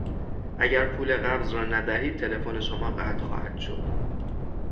اگر پول قبض را ندهید تلفن شما قطع خواهد شد.